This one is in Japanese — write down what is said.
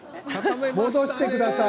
元に戻してください。